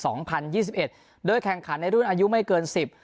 สองพันยี่สิบเอ็ดโดยแข่งขันในรุ่นอายุไม่เกินสิบ